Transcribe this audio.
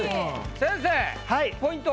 先生ポイントは？